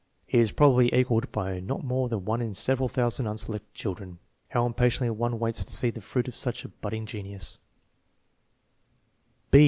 He is probably equaled by not more than one in several thousand un selected children. How impatiently one waits to see the fruit of such a budding genius!